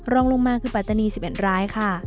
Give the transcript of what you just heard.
รองลงมาคือปัจจนีสิบเอ็ดรายค่ะ